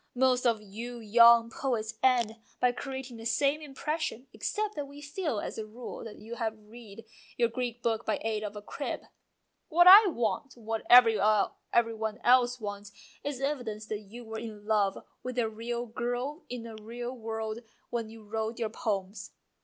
Most of you young poets end by creating the same impression, except that we feel as a rule that you have read your Greek book by aid of a crib." :< What I want, what every one else wants, is evidence that you were in love with a real girl in a real world when you wrote your poems.